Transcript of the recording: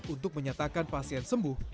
untuk menyatakan pasien sembuh